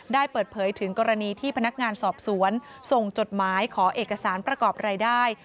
ได้เปิดเผยถึงกรณีที่พนักงานสอบสวนส่งจดหมายขอเอกสารประกอบรายได้